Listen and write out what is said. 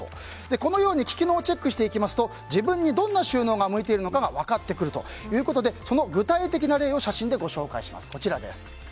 このように利き脳チェックしていきますと自分にどんな収納が向いているのかが分かってくるということで具体的な例を写真でご紹介します。